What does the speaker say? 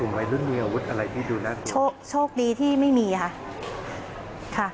วัยรุ่นมีอาวุธอะไรที่ดูนะโชคดีที่ไม่มีค่ะค่ะ